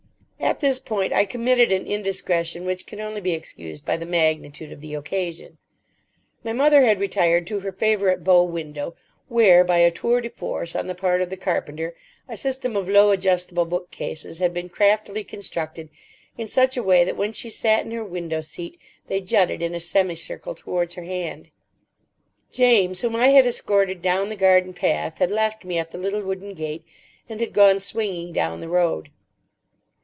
At this point I committed an indiscretion which can only be excused by the magnitude of the occasion. My mother had retired to her favourite bow window where, by a tour de force on the part of the carpenter, a system of low, adjustable bookcases had been craftily constructed in such a way that when she sat in her window seat they jutted in a semicircle towards her hand. James, whom I had escorted down the garden path, had left me at the little wooden gate and had gone swinging down the road.